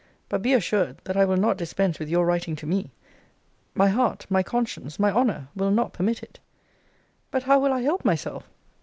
But be assured that I will not dispense with your writing to me. My heart, my conscience, my honour, will not permit it. But how will I help myself?